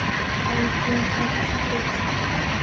Austrian Architects".